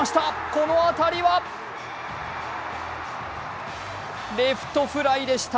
この当たりはレフトフライでした。